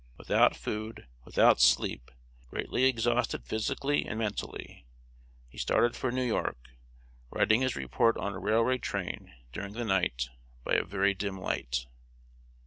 Without food, without sleep, greatly exhausted physically and mentally, he started for New York, writing his report on a railway train during the night, by a very dim light.